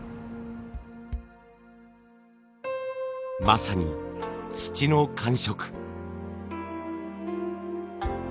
まさに土の感触。